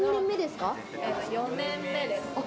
４年目です。